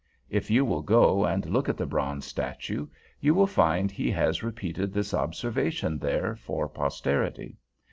If you will go and look at the bronze statue, you will find he has repeated this observation there for posterity.